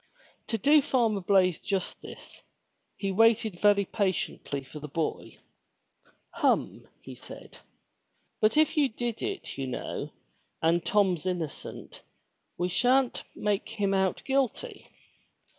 '* To do Farmer Blaize justice, he waited very patiently for the boy. "Hum," said he. But if you did it you know, and Tom's innocent, we sha'n't make him out guilty.